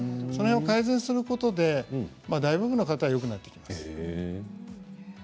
それを改善することで大部分の方がよくなっていきます。